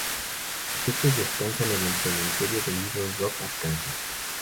Sus restos descansan en el cementerio de Little Rock, Arkansas.